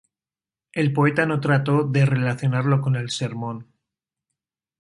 El poeta no trató de relacionarlo con el sermón.